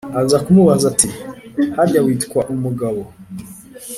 aza kumubaza, ati:”harya witwa mugabo?